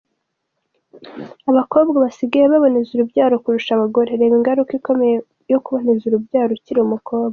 Abakobwa basigaye baboneza urubyaro kurusha abagore, reba ingaruka ikomeye yo kuboneza urubyaro ukiri umukobwa .